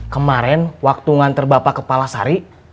kemaren waktu ngantar bapak kepala sari